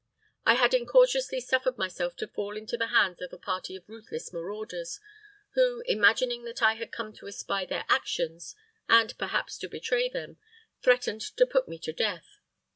I had incautiously suffered myself to fall into the hands of a party of ruthless marauders, who, imagining that I had come to espy their actions, and perhaps to betray them, threatened to put me to death.